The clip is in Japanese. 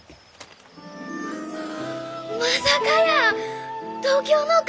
まさかやー！